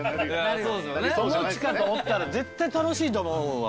友近とおったら絶対楽しいと思うわ。